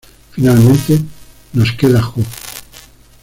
Finalmente, nos queda Jo.